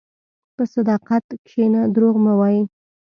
په صداقت کښېنه، دروغ مه وایې.